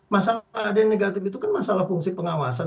masalah ada yang negatif itu kan masalah fungsi pengawasan